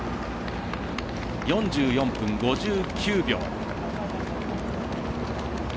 ４４分５９秒。